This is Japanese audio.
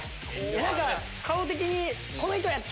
何か顔的に。